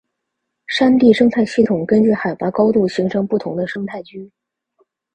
山地生态系统根据海拔高度形成不同的生态区。